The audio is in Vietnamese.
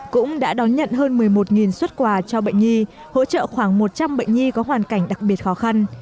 cũng đã đón nhận hơn một mươi một xuất quà cho bệnh nhi hỗ trợ khoảng một trăm linh bệnh nhi có hoàn cảnh đặc biệt khó khăn